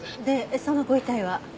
でそのご遺体は？